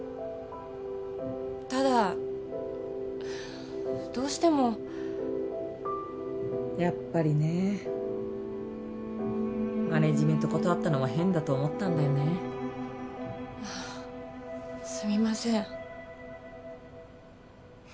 ただどうしてもやっぱりねマネージメント断ったのも変だと思ったんだよねあっすみません